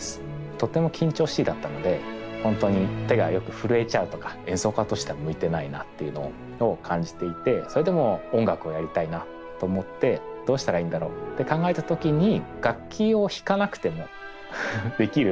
とても緊張しいだったので本当に手がよく震えちゃうとか演奏家としては向いてないなというのを感じていてそれでも音楽をやりたいなと思ってどうしたらいいんだろうって考えた時にへぇそうだったんですね！